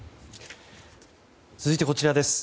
続いてこちらです。